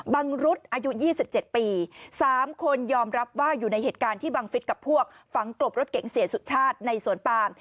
มนุษย์อายุ๒๗ปี๓คนยอมรับว่าอยู่ในเหตุการณ์ที่บังฟิศกับพวกฝังกลบรถเก๋งเสียสุชาติในสวนปาม